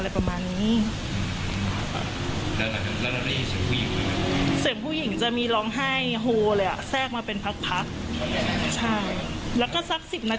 แล้วเราได้เปิดออกมาดูไหมว่า